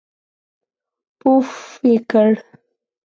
پووووووفففف یې کړ.